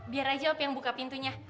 biar aja op yang buka pintunya